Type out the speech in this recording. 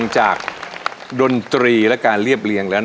มีความรู้สึกว่ามีความรู้สึกว่า